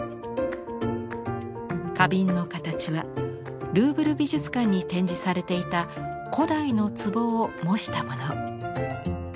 花瓶の形はルーブル美術館に展示されていた古代の壷を模したもの。